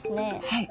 はい。